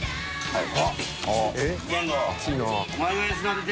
はい！